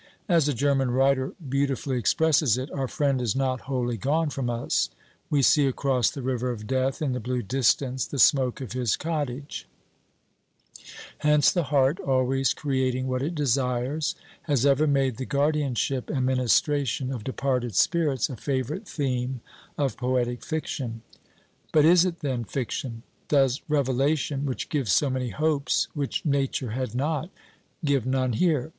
As a German writer beautifully expresses it, "Our friend is not wholly gone from us; we see across the river of death, in the blue distance, the smoke of his cottage;" hence the heart, always creating what it desires, has ever made the guardianship and ministration of departed spirits a favorite theme of poetic fiction. But is it, then, fiction? Does revelation, which gives so many hopes which nature had not, give none here?